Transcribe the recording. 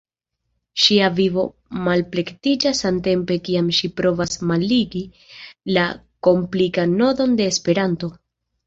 Ŝia vivo malplektiĝas samtempe kiam ŝi provas malligi la komplikan nodon de Esperanto.